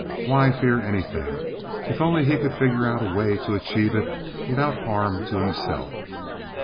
Why fear anything, if only he could figure out a way to achieve it without harm to himself?